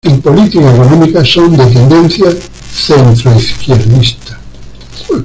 En política económica son de tendencia centro-izquierdista.